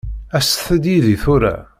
Aset-d yid-i tura.